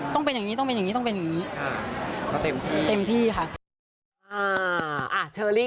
ต้องเป็นอย่างนี้ต้องเป็นอย่างนี้ต้องเป็นอย่างนี้เต็มที่ค่ะ